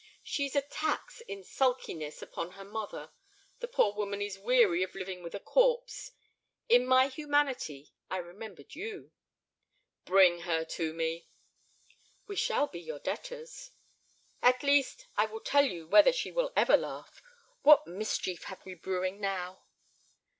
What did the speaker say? "She is a tax in sulkiness upon her mother. The poor woman is weary of living with a corpse. In my humanity—I remembered you." "Bring her to me." "We shall be your debtors." "At least—I will tell you whether she will ever laugh. What mischief have we brewing now?"